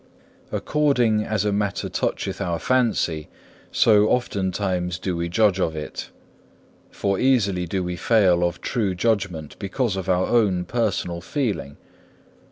According as a matter toucheth our fancy, so oftentimes do we judge of it; for easily do we fail of true judgment because of our own personal feeling.